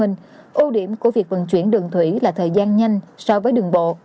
ưu điểm của việc vận chuyển đường thủy là thời gian nhanh so với đường bộ